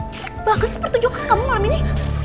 celik banget seperti jokak kamu malam ini